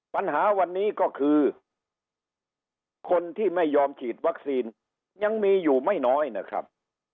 ปัญหาวันนี้ก็คือคนที่ไม่ยอมฉีดวัคซีนยังมีอยู่ไม่น้อยนะครับ